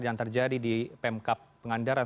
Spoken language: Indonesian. yang terjadi di pemkap pengandaran